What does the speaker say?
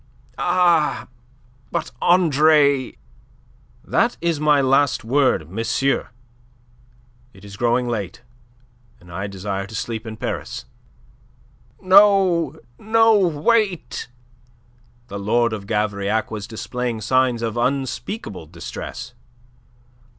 "Ah! But, Andre..." "That is my last word, monsieur. It is growing late, and I desire to sleep in Paris." "No, no! Wait!" The Lord of Gavrillac was displaying signs of unspeakable distress.